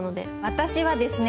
私はですね